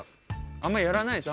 あんまりやらないでしょ？